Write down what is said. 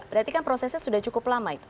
berarti kan prosesnya sudah cukup lama itu